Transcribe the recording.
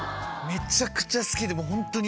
めちゃくちゃ好きでホントに。